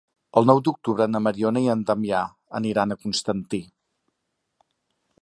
El nou d'octubre na Mariona i na Damià aniran a Constantí.